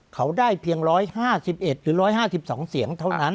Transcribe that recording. เขาได้เพียงร้อยห้าสิบเอ็ดหรือร้อยห้าสิบสองเสียงเท่านั้นอ่า